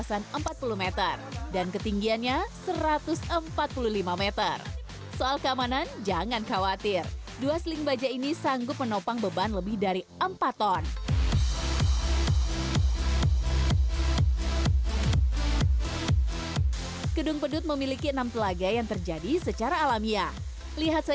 selalu istimewa di hati bagi sebagian orang itulah yogyakarta